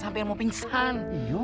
sampai mau pingsan